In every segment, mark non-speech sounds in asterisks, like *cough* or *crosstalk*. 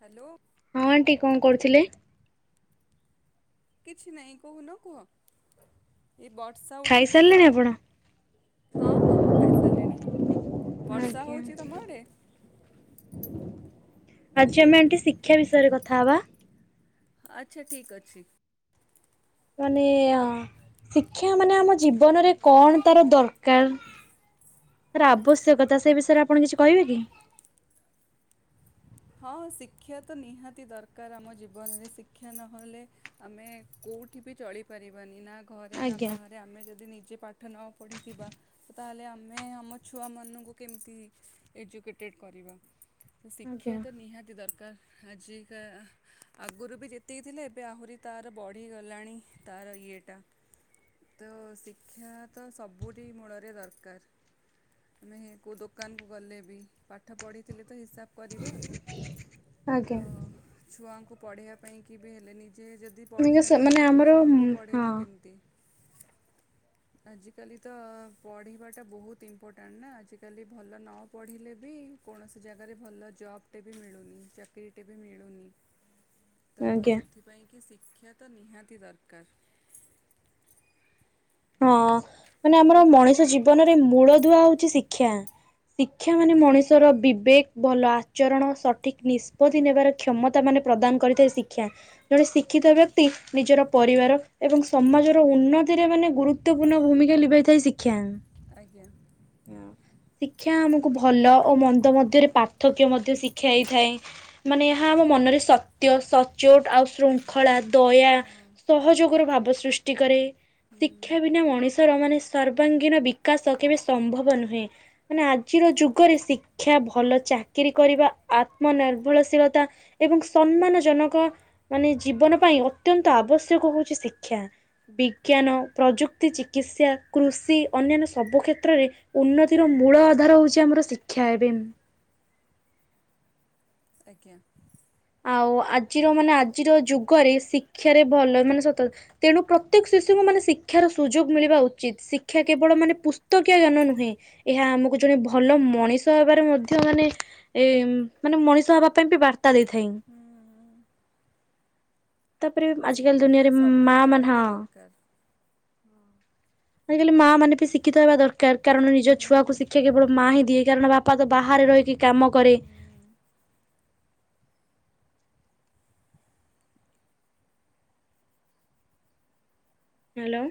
Hello. ହଁ aunty, କଣ କରୁଥିଲେ? କିଛି ନାଇଁ କହୁନ, କୁହ? ଏ ବର୍ଷା ଉଠେଇଛି ତ ଖାଇସାରିଲେଣି ଆପଣ? ହଁ ହଁ ମୁଁ ଖାଇସାଇଲିଣି ବର୍ଷା ଆଜ୍ଞା ହଉଚି ତମ ଆଡ଼େ? ଆଜି ଆମେ ଏଠି ଶିକ୍ଷା ବିଷୟରେ କଥା ହବା। ଆଚ୍ଛା ଠିକ୍ ଅଛି। ମାନେ ଅ ଶିକ୍ଷା ମାନେ ଆମ ଜୀବନରେ କଣ ତାର ଦରକାର? ର ଆବଶ୍ୟକତା ସେ ବିଷୟରେ ଆପଣ କିଛି କହିବେ କି? ହଁ ଶିକ୍ଷା ତ ନିହାତି ଦରକାର ଆମ ଜୀବନରେ ଶିକ୍ଷା ନହେଲେ ଆମେ କୋଉଠି ବି ଚଳିପାରିବାନି ନା ଘରେ ନା ଆଜ୍ଞା। ବାହା ରେ ଆମେ ଯଦି ନିଜେ ପାଠ ନ ପଢ଼ିଥିବା ଓ ତାହେଲେ ଆମେ ଆମ ଛୁଆମାନଙ୍କୁ କେମତି ଏଜୁକେଟେଡ କରିବା? କ୍ଷା ଆଜ୍ଞା ତ ନିହାତି ଦରକାର ଆଜିକା ଆଗୁରୁ ବି ଯେତିକି ଥିଲେ ଏବେ ଆହୁରି ତାର ବଢ଼ିଗଲାଣି ତାର ଇଏଟା। ତ ଶିକ୍ଷା ତ ସବୁଠି ମୂଳରେ ଦରକାର। ଆମେ କୋଉ ଦୋକାନକୁ ଗଲେ ବି ପାଠ ପଢ଼ିଥିଲେ ତ ହିସାବ କରିବା ତ ଛୁଆଙ୍କୁ ପଢ଼େଇବା ପାଇଁ କି ବି ହେଲେ ନିଜେ ଯ ଦି ଆଜ୍ଞା ମାନେ ପଢ଼ିିନଥିବା ତାହେଲେ ଆମର ଛୁଆଙ୍କୁ ହଁ ପଢ଼େଇବା କେମତି? ଆଜିକାଲି ତ ପଢ଼ିବାଟା ବହୁତ ଇମ୍ପୋର୍ଟାଣ୍ଟ ନା ଆଜିକାଲି ଭଲ ନ ପଢ଼ିଲେ ବି କୌଣସି ଜାଗାରେ ଭଲ ଜବ୍ ଟେ ବି ମିଳୁନି ଚାକିରିଟେ ବି ମିଳୁନି। ତ ଆଜ୍ଞା। ସେଥିପାଇଁ କି ଶିକ୍ଷା ତ ନିହାତି ଦରକାର। ହଁ ମାନେ ଆମର ମଣିଷ ଜୀବନରେ ମୂଳଦୂଆ ହଉଚି ଶିକ୍ଷା। ଶିକ୍ଷା ମାନେ ଆଜ୍ଞା ମଣିଷର ବିବେ ଭଲ ଆଚରଣ ସଠିକ୍ ନିଷ୍ପତ୍ତି ନେବାର କ୍ଷମତା ମାନେ ପ୍ରଦାନ କରିଥାଏ ଶିକ୍ଷା। ଜଣେ ଶିକ୍ଷିତ ବ୍ୟକ୍ତି ନିଜର ଆଜ୍ଞା ପରିବାର ଏବଂ ସମାଜର ଉନ୍ନତିରେ ମାନେ ଗୁରୁତ୍ୱପୂର୍ଣ୍ଣ ଭୂମିକା ଲିଭାଇ ଥାଏ ଶିକ୍ଷା। ଆଜ୍ଞା। ଉଁ। ଶିକ୍ଷା ଆମୁକୁ ଭଲ ଓ ମନ୍ଦ ମଧ୍ୟରେ ପାର୍ଥକ୍ୟ ମଧ୍ୟ ଶିଖାଇଥାଏ। ମାନେ ଏହା ଆମ ମନରେ ସତ୍ୟ ସଚ୍ଚୋଟ ଆଉ ଶୃ ଖଳା ଦୟା ହଁ ସହଯୋଗର ଭାବ ସୃଷ୍ଟି କରେ। ହୁଁ ଶିକ୍ଷା ବିନା ମଣିଷର ମାନେ ସର୍ବାଙ୍ଗୀନ ବିକାଶ କେବେ ସମ୍ଭବ ନୁହେଁ। ମାନେ ଆଜିର ଯୁଗରେ ଶିକ୍ଷା ଭଲ ଚାକିରୀ କରିବା ଆତ୍ମନିର୍ଭରଶୀଳତା ଏବଂ ସନ୍ମାନ ଜନକ ମାନେ ଜୀବନ ପାଇଁ ଅତ୍ୟନ୍ତ ଆବଶ୍ୟକ ହୋଉଚି ଶିକ୍ଷା। ବିଜ୍ଞାନ ପ୍ରଯୁକ୍ତି ଚିକିତ୍ସା କୃଷି ଅନ୍ୟାନ୍ୟ ସବୁ କ୍ଷେତ୍ରରେ ଉନ୍ନତିର ମୂଳ ଆଧାର ହୋଉଚି ଆମର ଶିକ୍ଷା ଏବେମ୍। ଆଜ୍ଞା। ଆଉ ଆଜିର ମାନେ ଆଜିର ଯୁଗରେ ଶିକ୍ଷାରେ ଭଲ ମାନେ ସତ ତେଣୁ ପ୍ରତ୍ୟେକ ଶିଶୁଙ୍କୁ ମାନେ ଶିକ୍ଷାର ସୁଯୋଗ ମିଳିବା ଉଚିତ ଶିକ୍ଷା କେବଳ ମାନେ ପୁସ୍ତକୀୟ ଜ୍ଞାନ ନୁହେଁ। ଏହା ଆମୁକୁ ଜଣେ ଭଲ ମଣିଷ ହବାରେ ମଧ୍ୟ ମାନେ ଏମ୍ ମାନେ ମଣିଷ ହବା ପାଇଁ ବି ବାର୍ତ୍ତା ଦେଇଥାଏ। ହୁଁ, ତାପରେ ଆଜିକାଲି ଶିକ୍ଷା ଦୁନିଆରେ ସବୁ ମା ମାନ ଜାଗାରେ ହଁ। ଦରକାର। ଆଜିକାଲି ମାମାନେ ବି ଶିକ୍ଷିତ ହେବା ଦରକାର କାରଣ ନିଜ ହୁଁ ଛୁଆକୁ ଶି କ୍ଷା କେବଳ ମା ହିଁ ଦିଏ କାରଣ ବାପା ତ ହୁଁ ବାହାରେ ରହିକି କାମ କରେ। ହୁଁ ହାଲୋ।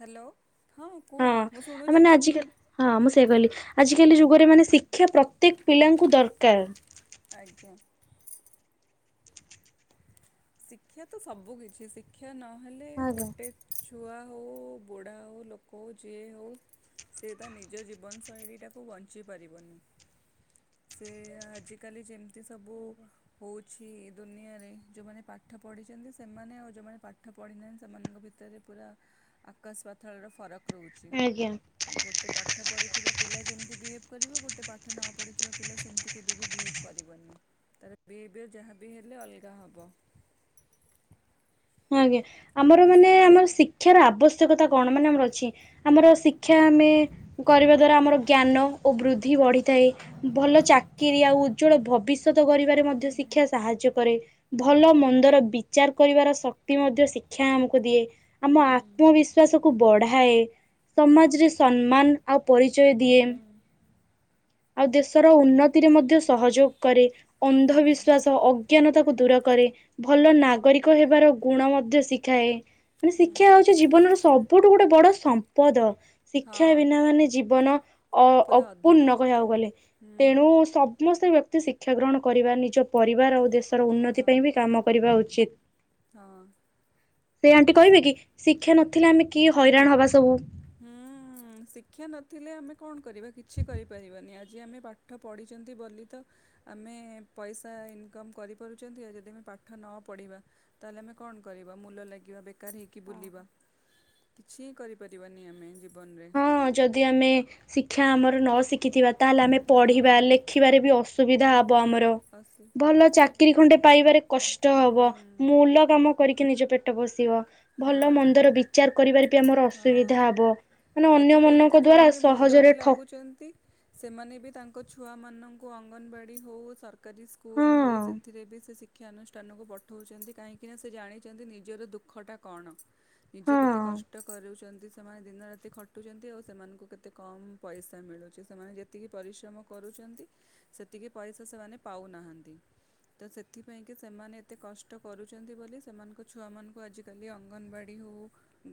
ହାଲୋ। ହଁ ଆଉ ମାନେ ଆଜିିକାଲି ହଁ ମୁଁ ସେଇ କହିଲି ହୁଁ ଆଜିକାଲି ଯୁଗରେ ମାନେ ଶି ଶିକ୍ଷା ପ୍ରତ୍ୟେକ ପିଲାଙ୍କୁ ଦରକାର। ଆଜ୍ଞା। ଶିକ୍ଷା ତ ସବୁ କିିଛି ଶିକ୍ଷା ନହେଲେ ଆଜ୍ଞା। ଗୋଟେ ଛୁଆ ହଉ ବୁଢ଼ା ହଉ ଲୋକ ହେଉ ଯିଏ ହଉ ସେ ତା ନିଜ ଜୀବନ ଶୈଳୀଟାକୁ ବଞ୍ଚେଇ ପାରିବନି। ସେ ଆଜିକାଲି ଯେମିତି ସବୁ ହଉଛି ଦୁନିଆରେ ଯୋଉମାନେ ପାଠ ପଢ଼ିଛନ୍ତି ସେମାନେ ଆଉ ଯେଉଁମାନେ ପାଠ ପଢ଼ିନାହାନ୍ତି ସେମାନଙ୍କ ଭିତରେ ପୁରା ଆକାଶ ପାତାଳର ଫରକ ରହୁଛି ଆଜ୍ଞା। ଗୋ ଗୋଟେ ପାଠ ପଢ଼ିଥିବା ପିଲା ଯେମିତି ବିହେଭ୍ କରିବ ଗୋଟେ ପାଠ ନ ପଢ଼ିଥିବା ପିଲା ସେମିତି କେବେ ବି ବିହେଭ୍ କରିବନି। ତାର ବିହେଭିୟର ଯାହା ବିି ହେଲେ ଅଲଗା ହବ। ହଁ ଆଜ୍ଞା ଆମର ତ ମାନେ ସେଥି ଆମର ଶିକ୍ଷାର ଆବଶ୍ୟକତା କଣ ମାନେ ଆମର ଅଛି। ଆମର ଶିକ୍ଷା ଆମେ କରିବା ଦ୍ଵାରା ଆମର ଜ୍ଞାନ ଓ ବୃଦ୍ଧି ବଢ଼ି ଥାଏ ଭଲ ଚାକିରି ଆଉ ଉଜ୍ଵଳ ଭବିଷ୍ୟତ କରିବାରେ ମଧ୍ୟ ହୁଁ ଶିକ୍ଷା ସାହାଯ୍ୟ କରେ। ଭଲ ମନ୍ଦର ବିଚାର କରିବାର ଶକ୍ତି ମଧ୍ୟ ଶିକ୍ଷା ଆମକୁ ଦିଏ। ଆମ ହୁଁ ଆତ୍ମବିଶ୍ବ ବିଶ୍ୱାସକୁ ବଢାଏ ହଁ ସମାଜରେ ସମ୍ମାନ ଆଉ ପରିଚୟ ଦିଏ। ହୁଁ ଆଉ ଦେଶର ଉନ୍ନତିରେ ମଧ୍ୟ ସହଯୋଗ କରେ। ହଁ ଅନ୍ଧବିଶ୍ଵାସ ଅଜ୍ଞାନତାକୁ ଦୂର କରେ। ହୁଁ ଭଲ ନାଗରିକ ହେବାର ଗୁଣ ମଧ୍ୟ ଶିଖାଏ। ମାନେ ଶିକ୍ଷା ହୁଁ ହଉଛି ଜୀବନର ସବୁଠୁ ଗୋଟେ ବଡ ସମ୍ପଦ। ଶିକ୍ଷା ହଁ ବିନା ମାନେ ଜୀବନ ଅ ପୁରା ଅଧୁରା ଅପୂର୍ଣ୍ଣ କହିବାକୁ ଗଲେ ହୁଁ ତେଣୁ ସମସ୍ତେ ବ୍ୟକ୍ତି ଶିକ୍ଷା ଗ୍ରହଣ କରିବା ନିଜ ପରିବାର ଆଉ ଦେଶ ଉନ୍ନତି ହଁ ପାଇଁ ବି କାମ କରିବା ଉଚିତ୍ ହଁ ସେ ଆଣ୍ଟି ଶି କହିବେ କି? ଶିକ୍ଷା ନଥିଲେ ଆମେ କି ହଇରାଣ ହବା ସବୁ? ହୁଁ। ହୁଁ ଶିକ୍ଷା ନଥିଲେ ଆମେ କଣ କରିବା କିଛି କରିପାରିବାନି ଆଜି ଆମେ ପାଠ ପଢ଼ିଛନ୍ତି ବୋଲି ତ ଆମେ ପଇସା ଇନକମ୍ କରିପାରୁଛନ୍ତି ଆଉ ଯଦି ଆମେ ପାଠ ନ ପଢ଼ିବା ତାହେଲେ ଆମେ କଣ କରିବା ମୂଲ ଲାଗିବା ବେକାର ହେଇ କି ବୁଲିବା କିଛି ହିଁ କରିପାରିବାନି ଆମେ ଜୀବନ ରେ। ହଁ ଯଦି ଆମେ ଶିକ୍ଷା ଆମର ନ ଶିଖିଥିବା ତାହେଲେ ଆମେ ପଢିବା ହଁ। ଲେଖିବାରେ ବି ଅସୁବିଧା ହୁଁ ହବ ଆମର ଅସୁ ଭଲ ଚାକ ଚାକିରି ଖଣ୍ଡେ ପାଇବାରେ କଷ୍ଟ ହୁଁ ହବ ମୂଲ କାମ କରିକି ନିଜ ପେଟ ପୋଷିବ। ଭଲ ହଁ। ମନ୍ଦର ବିଚାର କରିବାରେ ବି ଆମର ଅସୁବିଧା ହବ। ମାନେ ଆଜି କାଲି ଅନ୍ୟମାନଙ୍କ ତ ଦ୍ଵାରା ଯୋଉମାନେ ମୂଲ ବି ସହଜରେ ଠ ଲାଗୁଛନ୍ତି ସେମାନେ ବି ତାଙ୍କ ଛୁଆମାନଙ୍କୁ ଅଙ୍ଗନବାଡ଼ି ହଉ ସର କାରି ସ୍କୁଲ ହଉ ହଁ ସେଥିରେ ବି ସେ ଶି ଶିକ୍ଷାନୁଷ୍ଠାନକୁ ପଠଉଛନ୍ତି କାହିଁକିନା ସେ ଜାଣିଛନ୍ତି ନିଜର ଦୁଃଖଟା କଣ। ନିଜେ ହଁ କେତେ କଷ୍ଟ କରୁଛନ୍ତି ସେମାନେ ଦିନ ରାତି ଖ ଖଟୁଛନ୍ତି ଆଉ ସେମାନଙ୍କୁ କେତେ କମ ପଇସା ମିଳୁଛି ସେମାନେ ଯେତିକି ପରିଶ୍ରମ କରୁଛନ୍ତି ସେତିକି ପଇସା ସେମାନେ ପାଉନାହାନ୍ତି। ତ ସେଥିପାଇଁ କି ସେମାନେ ଏତେ କଷ୍ଟ କରୁଛନ୍ତି ବୋଲି ସେମାନଙ୍କ ଛୁଆ ମାନଙ୍କୁ ଆଜି ଡେଲି ଅଙ୍ଗନବାଡ଼ି ହେଉ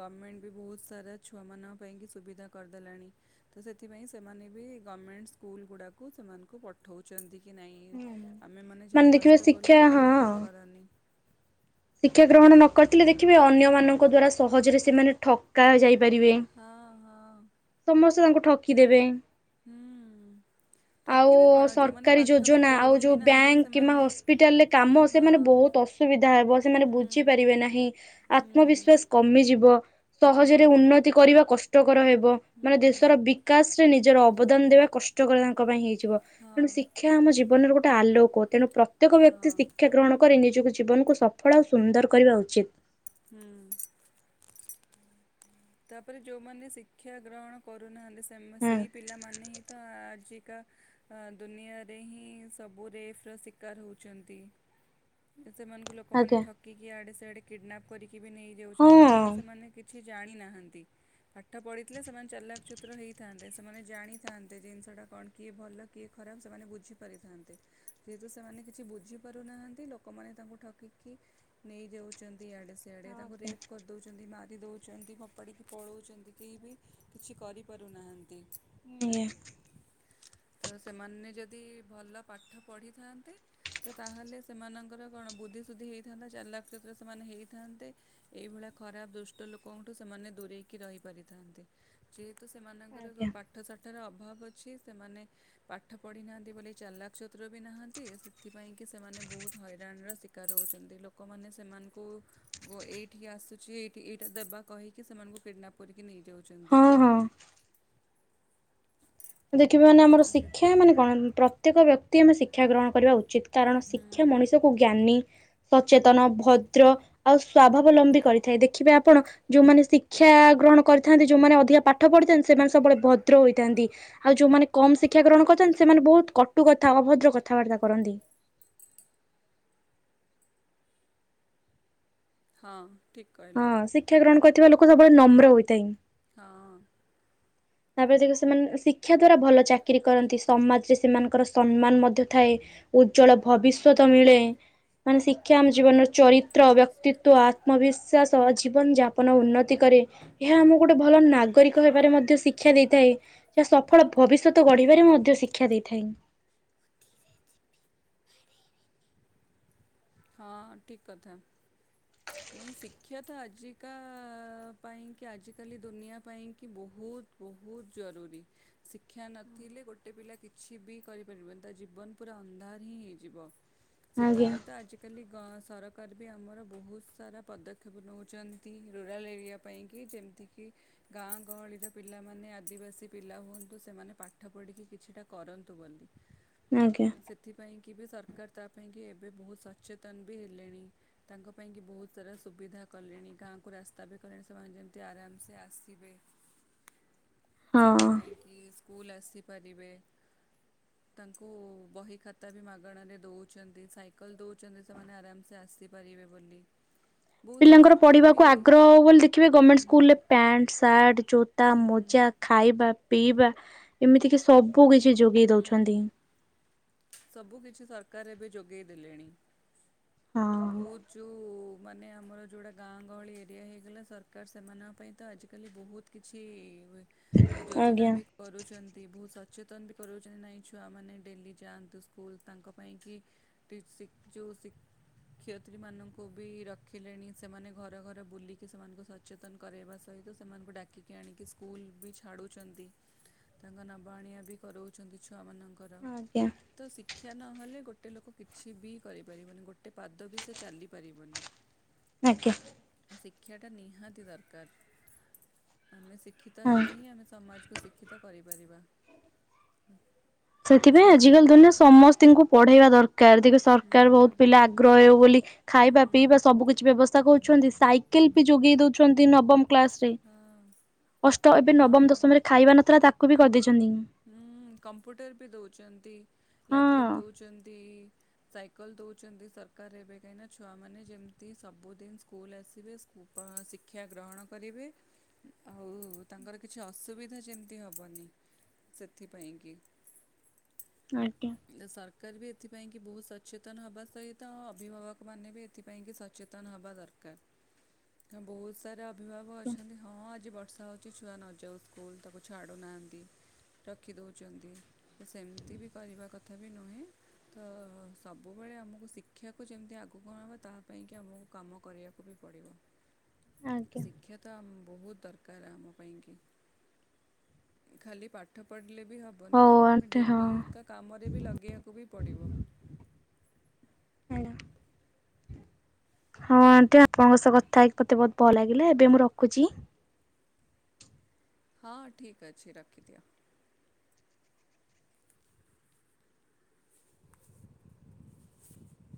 ଗମେଣ୍ଟ ବି ବହୁତ୍ ସାରା ଛୁଆମାନଙ୍କ ପାଇଁ କି ସୁବିଧା କରିଦେଲାଣି। ତ ସେଥିପାଇଁ ସେମାନେ ବି ଗର୍ମେଣ୍ଟ ସ୍କୁଲ ଗୁଡାକୁ ସେମାନଙ୍କୁ ପ ଠଉଛନ୍ତି କି ନାହିଁ ହୁଁ। ଆମେ ମାନେ ଯାହା ଦେଖିବେ କଷ୍ଟ ଶିକ୍ଷା କଲୁ ହଁ। ତମେ ମାନେ କରନି। ଶିକ୍ଷା ଗ୍ରହଣ ନ କରିଥିଲେ ଦେଖିବେ ଅନ୍ୟମାନଙ୍କ ଦ୍ଵାରା ସହଜରେ ସେମାନେ ଠକା ଯାଇପାରିବେ। ହଁ ହଁ। ସମସ୍ତେ ତାଙ୍କୁ ଠକି ଦେବେ ହୁଁ। *inaudible* ଆଉ ଠକିବେ କଣ ଯେଉଁମାନେ ସରକାରୀ ପାଠ ବି ଯୋଜନା ପଢ଼ୁ ଆଉ ବି ଯୋଉ ନାହାନ୍ତି ବ୍ୟାଙ୍କ କିମ୍ବା ସେମାନେ ହସ୍ପିଟାଲରେ କାମ ସେମାନେ ହଁ ବହୁତ ଅସ୍ ଅସୁବିଧା ହେବ ସେମାନେ ହୁଁ ବୁଝିପାରିବେ ନାହିଁ ହୁଁ ଆତ୍ମବିଶ୍ଵାସ କମିଯିବ। ହଁ ସହଜରେ ଉନ୍ନତି କରିବା କଷ୍ଟକର ହେବ ମାନେ ହୁଁ ଦେଶର ବି କାଶ ରେ ନିଜର ଅବଦାନ ଦେବା କଷ୍ଟକର ତାଙ୍କ ପାଇଁ ହେଇଯିବ ତେଣୁ ହଁ ଶିକ୍ଷା ଆମ ଜୀବନର ଗୋଟେ ଆଲୋକ ତେଣୁ ପ୍ରତ୍ୟେକ ବ୍ୟକ୍ତି ହଁ ଶିକ୍ଷା ଗ୍ରହଣ କରି ନିଜକୁ ଜୀବନକୁ ସାର୍ଥକ ଫଳ ଆଉ ସୁନ୍ଦର କରିବା ଉଚିତ୍। ହୁଁ। ତାପରେ ଯୋଉମାନେ ଶିକ୍ଷା ଗ୍ରହଣ କରୁନାହାଁନ୍ତି ସେମ୍ ହଁ ସେଇ ପିଲାମାନେ ହିଁ ତା ଆଜିକା ଦୁନିଆରେ ହିଁ ସବୁ ରେଫ୍ ର ଶିକାର ହେଉଛନ୍ତି। ସେମାନଙ୍କୁ ଲୋକ ଲୋକମାନେ ଆଜ୍ଞା ଠକିକି ଆଡ଼େ ସେଆଡ଼େ କିଡ଼ନାପ୍ କରିକି ବି ହଁ ନେଇଯାଉଛନ୍ତି କାରଣ ସେମାନେ କିଛି ଜାଣିନା ହାନ୍ତି। ପାଠ ପଢିଥିଲେ ସେମାନେ ଚଲାକଚତୁର ହେଇଥାନ୍ତେ ସେମାନେ ଜାଣିଥାନ୍ତେ ଜିନିଷ ଟା କଣ କିଏ ଭଲ କିଏ ଖରାପ ସେମାନେ ବୁଝିପାରିଥାନ୍ତେ। ଯେହେତୁ ସେମାନେ କିଛି ବୁଝି ପାରୁନାହାନ୍ତି ଲୋକମାନେ ତାଙ୍କୁ ଠକିକି ନେଇଯାଉଛନ୍ତି ଆଡେ ସିଆଡେ ତାଙ୍କୁ ଆଜ୍ଞା ରେଫ୍ କରିଦଉଛନ୍ତି ମାରି ଦଉଛନ୍ତି ଫୋପାଡ଼ି କି ପଲୋଉଛନ୍ତି କେହି ବି କିଛି କରିପାରୁନାହାନ୍ତି ତ ସେମାନେ ଯଦି ଭଲ ପାଠ ପଢ଼ିଥାନ୍ତେ। ତ ତାହେଲେ ସେମାନଙ୍କର କଣ ବୁଦ୍ଧି ସୁୁଦ୍ଧି ହେଇଥାନ୍ତା ଚାଲକ୍ ଚତୁର ସେମାନେ ହେଇଥାନ୍ତେ। ଏଇଭଳିଆ ଖରାପ ଦୁଷ୍ଟ ଲୋକଙ୍କଠୁ ସେମାନେ ଦୂରେଇକି ରହି ପାରିଥାନ୍ତି ଯେହେତୁ ସେମାନଙ୍କର କଣ ଆଜ୍ଞା ପାଠ ଶାଠର ଅଭାବ ଅଛି ସେମାନେ ପାଠ ପଢ଼ିନାହାନ୍ତି ବୋଲି ଚାଲାକ ଚତୁର ବି ନାହାନ୍ତି ସେଥିପାଇଁ କି ସେମାନେ ବହୁତ ହଇରାଣର ଶିକାର ହଉଛନ୍ତି ଲୋକମାନେ ସେମାନଙ୍କୁ ଗୋ ଏଇଠିକି ଆସୁଛି ଏଠି ଏଇଟା ଦେବାକୁ କହିକି ସେମାନଙ୍କୁ କିଡ଼ନାପ୍ କରିକି ହଁ ନେଇଯାଉଛନ୍ତି। ହଁ। ଦେଖିବା ମାନେ ଆମର ତ ସେ ଶିକ୍ଷା ମାନେ କଣ ପ୍ରତ୍ୟେକ ବ୍ୟକ୍ତି ଆମେ ଶିକ୍ଷା ଗ୍ରହଣ କରିବା ଉଚିତ କାରଣ ହୁଁ ଶିକ୍ଷା ମଣିଷକୁ ଜ୍ଞାନୀ ସଚେତନ ଭଦ୍ର ଆଉ ସ୍ଵଭାବଲମ୍ବୀ କରିଥାଏ ଦେଖିବେ ଆପଣ ଯୋଉମାନେ ଶିକ୍ଷା ଗ୍ରହଣ କରିଥାନ୍ତି ଯୋଉମାନେ ଅଧିକା ପାଠ ପଢିଥାନ୍ତି ସେମାନେ ସବୁବେଳେ ଭଦ୍ର ହୋଇଥାନ୍ତି। ଆଉ ଯୋଉମାନେ କମ ଶିକ୍ଷା ଗ୍ରହଣ କରିଥାନ୍ତି ସେମାନେ ବହୁତ କଟୁ କଥା ଅଭଦ୍ର କଥାବାର୍ତ୍ତା କରନ୍ତି। ହଁ ଠିକ୍ ହଁ କହିଲ। ଶିକ୍ଷା ଗ୍ରହଣ କରିଥିବା ଲୋକ ସବୁବେଳେ ନମ୍ର ହୋଇଥାଏ। ହଁ। ତାପରେ ଦେଖ ସେମାନେ ଶିକ୍ଷା ଦ୍ଵାରା ଭଲ ଚାକିରୀ କରନ୍ତି ସମାଜ ରେ ସେମାନଙ୍କର ସମ୍ମାନ ମଧ୍ୟ ଥାଏ। ଉଜ୍ଜଳ ଭବିଷ୍ୟତ ମିଳେ ମାନେ ଶିକ୍ଷା ଆମ ଜୀବନର ଚରିତ୍ର ବ୍ୟକ୍ତିତ୍ୱ ଆତ୍ମବିଶ୍ୱାସ ଜୀବନଯାପ ନ ଉନ୍ନତି କରେ ଏହା ଆମକୁ ଗୋଟେ ଭଲ ନାଗରିକ ହେବାରେ ମଧ୍ୟ ଶିକ୍ଷା ଦେଇଥାଏ। କ୍ଷା ସଫଳ ଭବିଷ୍ୟତ ଗଢିବାରେ ମଧ୍ୟ ଶିକ୍ଷା ଦେଇଥାଏ। ହଁ ଠିକ୍ କଥା। ନାଇଁ ଶିକ୍ଷା ତ ଆଜିକା ପାଇଁକି ଆଜିକାଲି ଦୁନିଆ ପାଇଁକି ବହୁତ ବହୁତ ଜରୁୁରୀ। ଶିକ୍ଷା ନଥିଲେ ଗୋଟେ ପିଲା କିଛି ବି କରିପାରିବନି ତା ଜୀବନ ପୁରା ଅନ୍ଧାର ହିଁ ହେଇଯିବ। ଆଜ୍ଞା ସେଥିପାଇଁ ତ ଆଜି ଆଜିକାଲି ଗ ସରକାର ବି ଆମର ବହୁତ ସାରା ପଦକ୍ଷେପ ନଉଚନ୍ତି ରୁରାଲ୍ ଏରିଆ ପାଇଁକି ଯେମିତିକି ଗାଁ ଗହଳିର ପିଲାମାନେ ଆଦିବାସୀ ପିଲା ହୁଅନ୍ତୁ ସେମାନେ ପାଠ ପଢିକି କିଛିଟା କରନ୍ତୁ ବୋଲି। ଆଜ୍ଞା ସେଥିପାଇଁ କି ଏବେ ସରକାର ତାପାଇଁକି ଏବେ ବହୁତ ସଚେତନ ବି ହେଲେଣି। ତାଙ୍କ ପାଇଁକି ବହୁତ ସାରା ସୁବିଧା କଲେଣି ଗାଁକୁ ରାସ୍ତା ବି କଲେଣି ସେମାନେ ଯେମତି ଆରାମସେ ଆସିବେ। *inaudible* ସେଥିପାଇଁକିି ସ୍କୁଲ ଆସିପାରିବେ। ତାଙ୍କୁ ବହିଖାତା ବି ମାଗଣାରେ ଦଉଚନ୍ତି ସାଇକଲ ଦଉ ଚନ୍ତି ସେମାନେ ଆରାମସେ ଆସିପାରିବେ ବୋଲି। ବହୁତ ସେ ପିଲାଙ୍କର ସରକାର ବି ପଢ଼ିବାକୁ ଆଗ୍ରହ ହଉ ବୋଲି ଦେଖିବେ ଗମେଣ୍ଟ ହୁଁ ସ୍କୁଲରେ ପ୍ୟାଣ୍ଟ, ସାର୍ଟ, ଜୋତା, ହୁଁ ମୋଜା ଖାଇବା, ପିଇବା ଏମିତିକିି ସବୁ କିଛି ଯୋଗେଇ ଦଉଛନ୍ତି। ସବୁକିଛି ସରକାର ଏବେ ଯୋଗେଇ ଦେଲେଣି ହଁ। ବହୁତ ଯୋଉ ମାନେ ଆମର ଯୋଉଟା ଗାଁ ଗହଳି ଏରିଆ ହେଇଗଲା ସରକାର ସେମାନଙ୍କ ପାଇଁ ତ ଆଜିକାଲି ବହୁତ କିଛି ହୁଏ ତ ଯୋଜନା ଆଜ୍ଞା। ବି କରୁଚନ୍ତି ବହୁତ ସଚେତନ ବି କରଉଚନ୍ତି ନାଇଁ ଛୁଆମାନେେ ଡେଲି ଯାଆନ୍ତୁ। ତୁ ସ୍କୁଲ ତାଙ୍କପାଇଁ କି ଟି ଶୀ ଯଉ ଶୀ କ୍ଷୟତ୍ରୀମାନଙ୍କୁ ବି ରଖିଲେଣି ସେମାନେ ଘର ଘର ବୁଲିକି ସେମାନଙ୍କୁ ସ ଚେତନ କରେଇବା ସହିତ ସେମାନଙ୍କୁ ଡାକିକି ଆଣିକି ସ୍କୁଲ ବି ଛାଡୁଚନ୍ତି। *inaudible* ତାଙ୍କ ନବା ଆଣିଆ ବି କରଉଛନ୍ତି ଛୁଆମାନଙ୍କର। ଆଜ୍ଞା। ତ ଶିକ୍ଷା ନହଲେ ଗୋଟେ ଲୋକ କିଛି ବି କରିପାରିବନି ଗୋଟେ ପାଦ ବି ସେ ଚାଲିପାରିବନି। ଆଜ୍ଞା। ତ ଶିକ୍ଷାଟା ନିହାତି ଦରକାର। ଆମେ ଶିକ୍ଷିତ ହଁ। ହେଲେ ହିଁ ଆମେ ସମାଜକୁ ଶିକ୍ଷିତ କରିପାରିବା। ସେଥିପାଇଁ ଆଜିକାଲି ଛୁଆମାନେ ଦୁନିଆ ସମସ୍ତିଙ୍କୁ ପଢେଇବା ଦରକା କାର ଦେଖିବେ ସରକାର ହୁଁ ବହୁତ ପିଲା ଆଗ୍ରହ ହେବେବୋଲି ଖାଇବା ହୁଁ ପିଇବା ସବୁକିଛି ବ୍ୟବସ୍ଥା କରୁଛନ୍ତି ସାଇକେଲ ବି ଯୋଗେଇ ଦଉଛନ୍ତି ନବମ କ୍ଲାସ ଚି ହଁ ଅଷ୍ଟ ଏବେ ନବମ ହଁ ଦଶମରେ ଖାଇବା ନଥିଲା ତାକୁ ବି କରିଦେଇଚନ୍ତି। ହୁଁ କମ୍ପ୍ୟୁଟର ବି ଦଉଚନ୍ତି ହଁ ଲ୍ୟାପଟପ୍ ଦଉଚନ୍ତି। ସାଇକଲ ଦଉଚନ୍ତି ସରକାର ଏବେ କାହିଁନା ଛୁଆମାନେ ଯେମତି ସବୁଦିନ ସ୍କୁଲ ଆସିବେ। କଣ ଶିକ୍ଷା ଗ୍ରହଣ କରିବେ। ଆଉ ତାଙ୍କର କିଛି ଅସୁବିଧା ଯେମିତି ହବନି। ସେଥିପାଇଁକିି। ଆଜ୍ଞା। ସରକାର ବି ଏଥିପାଇଁକି ବହୁତ ସଚେତନ ହବା ସହିତ ଅଭିଭାବକମାନେ ବି ଏଥିପାଇଁକି ସଚେତନ ହବା ଦରକା କାର ବହୁତ ସାରା ଅଭିଭାବକ ଅଛନ୍ତି ହଁ ଆଜି ବର୍ଷା ହଉଚି ଛୁଆ ନଯାଉ ସ୍କୁଲ ତାକୁ ଛାଡୁନାହାଁନ୍ତି। ରଖିଦଉଚନ୍ତି ତ ସେମ୍ ତି ବି କରିବା କଥା ବି ନୁହେଁ। ତ ସବୁ ବେଳେ ଆମୁକୁ ଶିକ୍ଷାକୁ ଯେମ୍ ତି ଆଗୁକୁ ଅଣାହବ ତାହା ପାଇଁକି ଆମୁକୁ କାମ କରିଆକୁ ବି ପଡିବ। ଆଜ୍ଞା ଶିକ୍ଷା ତମ୍ ବହୁତ୍ ଦରକାର୍ ଆମ ପାଇଁକି ଖାଲି ପାଠ ପଢ଼ିଲେ ବି ହ ବନି ହଉ ତାକୁ ଆମେ ଆଣ୍ଟି ହଁ। ଡେଲି କା କାମରେ ବି ଲଗେଇବାକୁ ବି ପଡ଼ିବ। ଆଇଲା। ହଁ ଆଣ୍ଟି ଆପଣଙ୍କ ସହ କଥା ହେଇକି ମତେ ବହୁତ୍ ବ ଲାଗିଲା ଏବେ ମୁଁ ରଖୁଚି। ହଁ ଠିକ୍ ଅଛି ରଖିଦିଅ। *unintelligible*